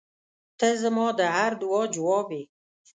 • ته زما د هر دعا جواب یې.